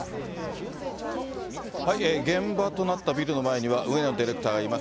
現場となったビルの前には上野ディレクターがいます。